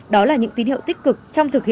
đó là những tín hiệu tích cực